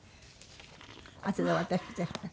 あとでお渡し致します。